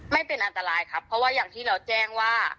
ไม่เป็นอันตรายครับเพราะว่าอย่างที่เราแจ้งว่า